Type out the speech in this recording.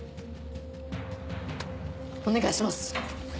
お願いします。